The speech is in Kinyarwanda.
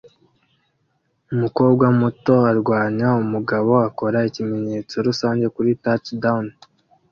Umukobwa muto arwanya umugabo akora ikimenyetso rusange kuri "Touchdown!"